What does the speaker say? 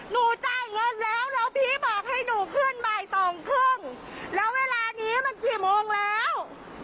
จ่ายเงินแล้วแล้วพี่บอกให้หนูขึ้นบ่ายสองครึ่งแล้วเวลานี้มันกี่โมงแล้ว